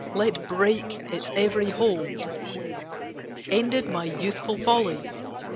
Let break its every hold! Ended my youthful folly!